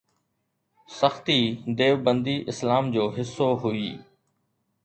سختي ديوبندي اسلام جو حصو هئي.